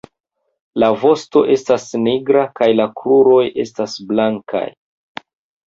La vosto estas nigra kaj la kruroj estas blankaj.